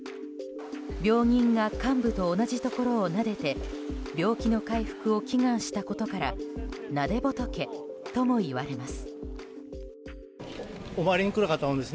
病人が患部と同じところをなでて病気の回復を祈願したことからなで仏ともいわれます。